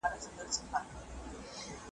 هغه لاس دي مات سي چي لاسونه د منظور تړي .